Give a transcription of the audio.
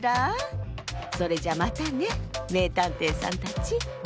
それじゃまたねめいたんていさんたち。